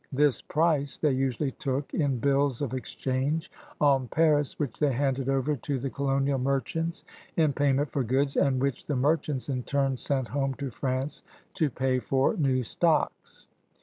This price they usuaQy took in bills of exchange on Paris which they handed over to the colonial merchants in payment for goods, and which the merchants in turn sent home to France to pay for new stocks.